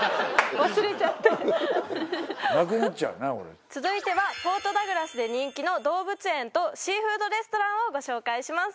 これ続いてはポートダグラスで人気の動物園とシーフードレストランをご紹介します